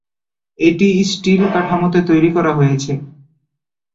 এটি স্টিল কাঠামোতে তৈরি করা হয়েছে।